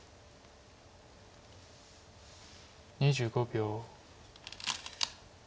２５秒。